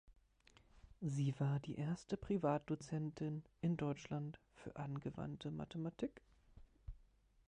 Sie war die erste Privatdozentin in Deutschland für angewandte Mathematik.